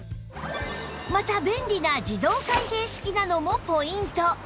また便利な自動開閉式なのもポイント